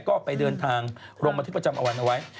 ก็ไปเดินทางรมอาทิตย์ประจำอวรรณไว้